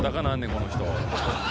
この人。